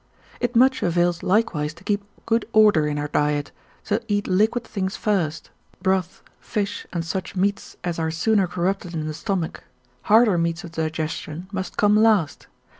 It much avails likewise to keep good order in our diet, to eat liquid things first, broths, fish, and such meats as are sooner corrupted in the stomach; harder meats of digestion must come last.